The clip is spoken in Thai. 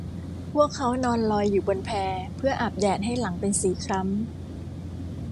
พวกเค้านอนลอยอยู่บนแพเพื่ออาบแดดให้หลังเป็นสีคล้ำ